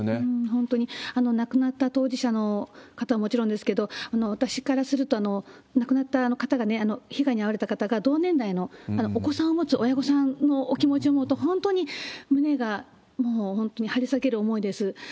本当に亡くなった当事者の方はもちろんですけれども、私からすると、亡くなった方が、被害に遭われた方が同年代のお子さんを持つ親御さんのお気持ちを思うと、本当に胸が、もう本当に張り裂ける思いです。